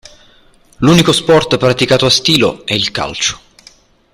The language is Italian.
L'unico sport praticato a Stilo è il calcio.